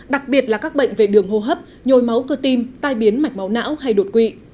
đặc biệt là các bệnh về đường hô hấp nhồi máu cơ tim tai biến mạch máu não hay đột quỵ